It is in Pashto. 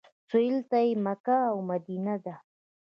سویل ته یې مکه او مدینه ده.